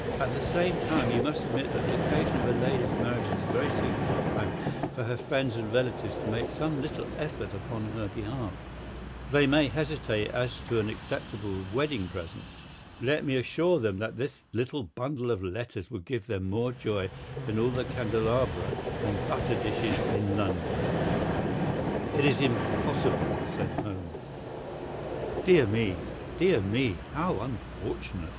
"At the same time, you must admit that the occasion of a lady's marriage is a very suitable time for her friends and relatives to make some little effort upon her behalf. They may hesitate as to an acceptable wedding present. Let me assure them that this little bundle of letters would give more joy than all the candelabra and butter dishes in London." "It is impossible," said Holmes. "Dear me, dear me, how unfortunate!"